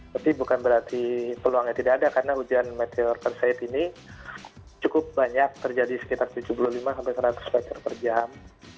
tapi bukan berarti peluangnya tidak ada karena hujan meteor persait ini cukup banyak terjadi sekitar tujuh puluh lima sampai seratus meter per jam